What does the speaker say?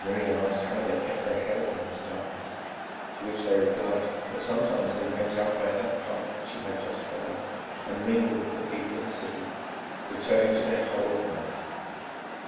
Miriam asked how they kept their health in this darkness, to which they replied that sometimes they went out by that path which she had just followed, and mingled with the people in the city, returning to their hole at night.